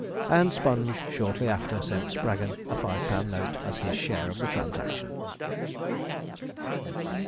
And Sponge shortly after sent Spraggon a five pound note as his share of the transaction.